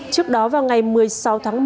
trước đó vào ngày một mươi tháng